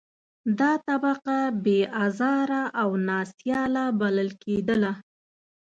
دا طبقه بې آزاره او نا سیاله بلل کېدله.